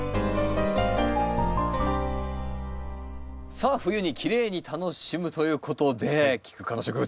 さあ冬にきれいに楽しむということでキク科の植物